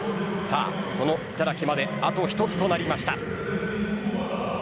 その頂まであと１つとなりました。